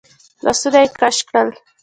لاسونه يې کش کړل.